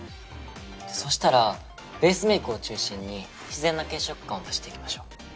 そしたらベースメイクを中心に自然な血色感を出していきましょう。